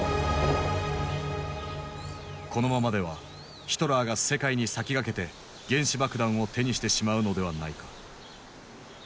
このままではヒトラーが世界に先駆けて原子爆弾を手にしてしまうのではないか。